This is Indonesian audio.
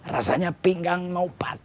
rasanya pinggang mau patah